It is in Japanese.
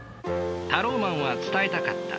タローマンは伝えたかった。